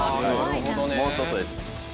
もうちょっとです。